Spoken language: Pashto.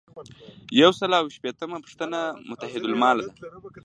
یو سل او یو شپیتمه پوښتنه متحدالمال ده.